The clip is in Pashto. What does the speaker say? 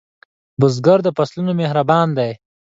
بزګر د فصلونو مهربان دی